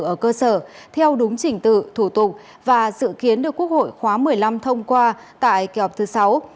ở cơ sở theo đúng chỉnh tự thủ tục và dự kiến được quốc hội khóa một mươi năm thông qua tại kế hoạch thứ sáu